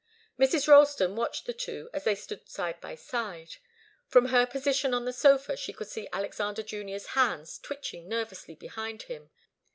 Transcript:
Mrs. Ralston watched the two as they stood side by side. From her position on the sofa she could see Alexander Junior's hands twitching nervously behind him.